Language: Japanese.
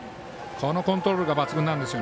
このコントロールが抜群なんです。